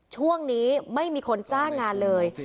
ช่วงนี้ไม่มีคนจ้างงานเลย